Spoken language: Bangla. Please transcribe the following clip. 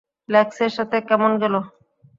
লেক্সের সাথে কেমন গেল?